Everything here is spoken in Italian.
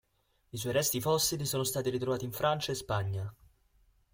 I suoi resti fossili sono stati ritrovati in Francia e Spagna.